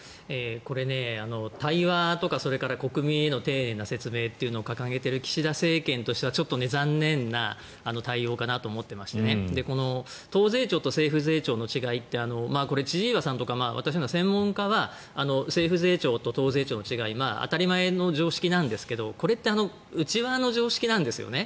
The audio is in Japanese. これ、対話とかそれから国民への丁寧な説明というのを掲げている岸田政権としてはちょっと残念な対応かなと思っていましてこの党税調と政府税調の違いって千々岩さんとか私ら専門家は政府税調と党税調の違い当たり前の常識なんですがこれって内輪の常識なんですよね。